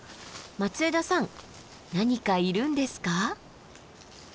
松枝さん何かいるんですか？